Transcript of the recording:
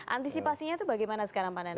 antisipasinya itu bagaimana sekarang pak nanda